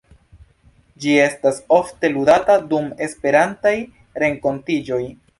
Ĝi estas ofte ludata dum Esperantaj renkontiĝoj.